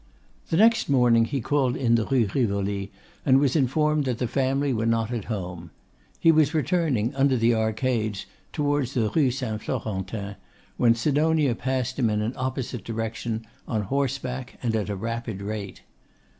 The next morning he called in the Rue Rivoli, and was informed that the family were not at home. He was returning under the arcades, towards the Rue St. Florentin, when Sidonia passed him in an opposite direction, on horseback, and at a rapid rate.